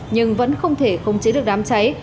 nhưng vẫn không thể khống chế được đám cháy